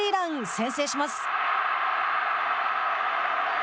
先制します。